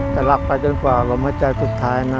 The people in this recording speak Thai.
จะรักไปจนกว่าลมหายใจสุดท้ายนะ